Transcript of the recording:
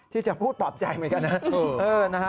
ที่จะพูดปลอบใจเหมือนกันนะ